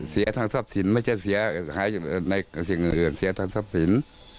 เสียทางทรัพย์สินไม่ใช่เสียหายในสิ่งอื่นเสียทางทรัพย์สิน